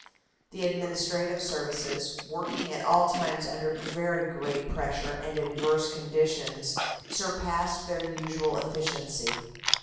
The administrative services, working at all times under very great pressure and adverse conditions, surpassed their usual efficiency.